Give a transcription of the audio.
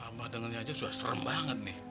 abah dengernya aja sudah serem banget nih